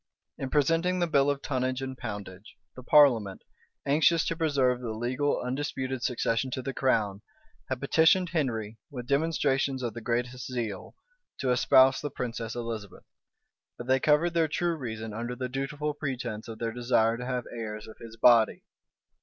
* Bacon, p. 582. {1486.} In presenting the bill of tonnage and poundage, the parliament, anxious to preserve the legal, undisputed succession to the crown, had petitioned Henry, with demonstrations of the greatest zeal, to espouse the princess Elizabeth; but they covered their true reason under the dutiful pretence of their desire to have heirs of his body.